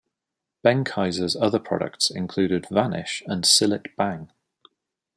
Benckiser's other products included Vanish and Cillit Bang.